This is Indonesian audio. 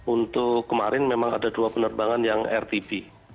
untuk kemarin memang ada dua penerbangan yang rtb